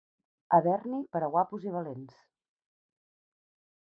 Haver-n'hi per a guapos i valents.